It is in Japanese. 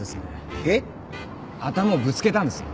ヒッ？頭をぶつけたんですね。